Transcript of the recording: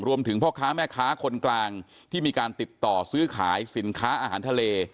พ่อค้าแม่ค้าคนกลางที่มีการติดต่อซื้อขายสินค้าอาหารทะเล